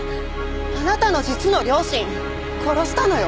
あなたの実の両親を殺したのよ。